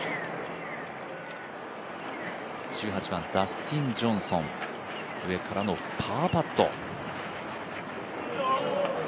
１８番、ダスティン・ジョンソン、上からのパーパット。